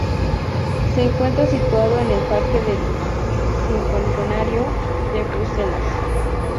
Se encuentra situado en el Parque del Cincuentenario de Bruselas.